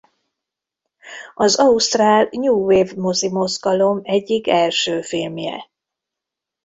Az ausztrál New Wave mozi mozgalom egyik első filmje.